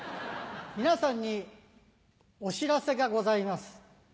皆さんにお知らせがございます。